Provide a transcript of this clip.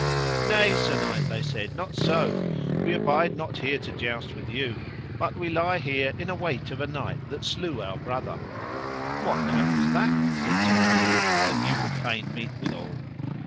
Nay, sir knight, they said, not so, we abide not here to joust with you, but we lie here in await of a knight that slew our brother. What knight was that, said Sir Lamorak, that you would fain meet withal?